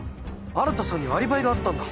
新さんにはアリバイがあったんだ。